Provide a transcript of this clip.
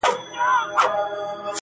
صبر وکړه لا دي زمانه راغلې نه ده.